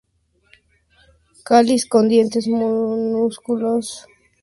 Cáliz con dientes minúsculos, anchamente triangulares.